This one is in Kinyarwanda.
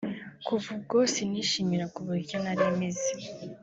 kuva ubwo sinishimiraga uburyo nari meze